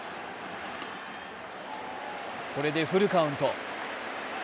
これでフルカウント。